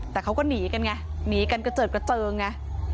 แต่เขาก็หนีกันไงหนีกันกระเจิดกระเจิงไง